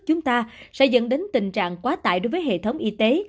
chúng ta sẽ dẫn đến tình trạng quá tải đối với hệ thống y tế